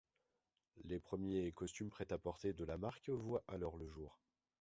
Les premiers costumes prêt-à-porter de la marque voient alors le jour.